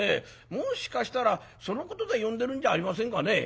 もしかしたらそのことで呼んでるんじゃありませんかね」。